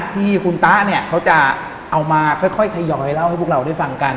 ที่คุณตะเนี่ยเขาจะเอามาค่อยทยอยเล่าให้พวกเราได้ฟังกัน